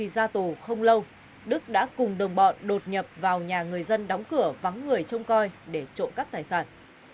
dù không lâu đức đã cùng đồng bọn đột nhập vào nhà người dân đóng cửa vắng người trông coi để trộm các tài sản